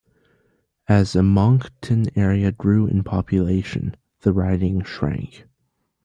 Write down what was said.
As the Moncton area grew in population, the riding shrank.